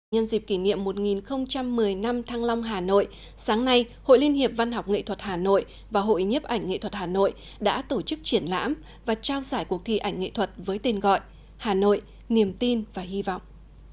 nhân dịp kỷ niệm một nghìn một mươi năm thăng long hà nội sáng nay hội liên hiệp văn học nghệ thuật hà nội và hội nhiếp ảnh nghệ thuật hà nội đã tổ chức triển lãm và trao giải cuộc thi ảnh nghệ thuật với tên gọi hà nội niềm tin và hy vọng